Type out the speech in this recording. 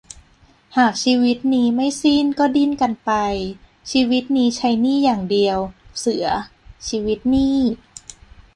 หากชีวิตนี้ไม่สิ้น ก็ดิ้นกันไป ชีวิตนี้ใช้หนี้อย่างเดียว เสือ - ชีวิตหนี้